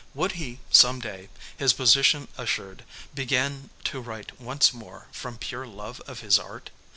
Would he some day, his position assured, begin to write once more from pure love of his art?